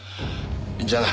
じゃあな。